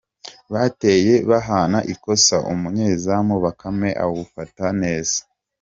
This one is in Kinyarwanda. Bateye bahana ikosa, umunyezamu Bakame awufata neza.